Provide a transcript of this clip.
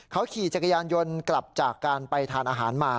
เขาขี่จักรยานยนต์กลับจากการไปทานอาหารมา